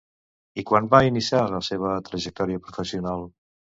I quan va iniciar la seva trajectòria professional?